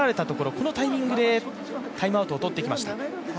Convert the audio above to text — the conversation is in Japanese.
このタイミングでタイムアウトをとってきました。